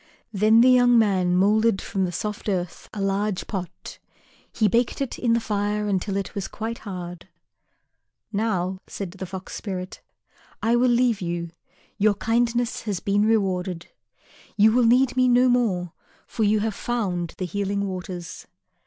Then the young man moulded from the soft earth a large pot. He baked it in the fire until it was quite hard. "Now," said the Fox spirit, "I will leave you. Your kindness has been rewarded. You will need me no more, for you have found the Healing Waters."